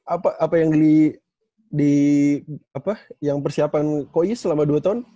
itu apa yang di apa yang persiapan ko yus selama dua tahun